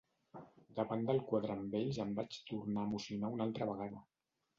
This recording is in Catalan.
Davant del quadre amb ells em vaig tornar a emocionar una altra vegada.